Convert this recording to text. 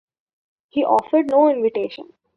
He offered no invitation.